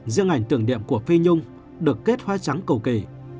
dương ảnh tưởng điệm của phi nhung được kết hoa trắng cầu kỳ